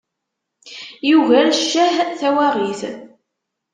Yugar cceh, tawaɣit.